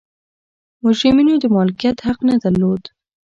مجرمینو د مالکیت حق نه درلود.